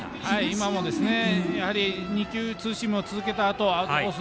今も、２球ツーシームを続けたあとアウトコース